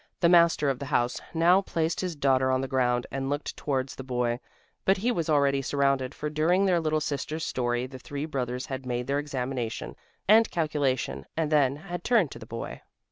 The master of the house now placed his daughter on the ground and looked towards the boy. But he was already surrounded, for during their little sister's story the three brothers had made their examination and calculation and then had turned to the boy.